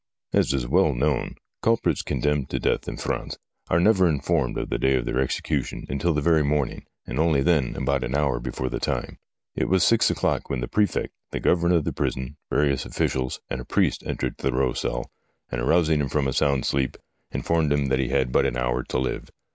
As is well known, culprits condemned to death in France are never informed of the day of their execution until the very morning, and only then about an hour before the time. It was six o'clock when the prefect, the governor of the prison, various officials, and a priest entered Thurreau's cell, and, arousing him from a sound sleep, informed him that he had SOME EXPERIMENTS WITH A HEAD 75 but an hour to live.